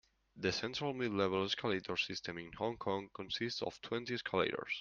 The Central-Midlevels escalator system in Hong Kong consists of twenty escalators.